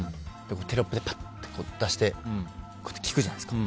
テロップで、ばんって出して聞くじゃないですか。